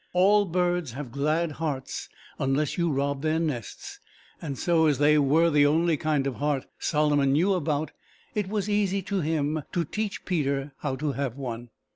All birds have glad hearts unless you rob their nests, and so as they were the only kind of heart Solomon knew about, it was easy to him to teach Peter how to have one.